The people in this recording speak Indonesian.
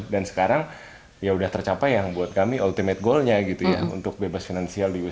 dan sekarang ya udah tercapai yang buat kami ultimate goalnya gitu ya untuk bebas finansial gitu ya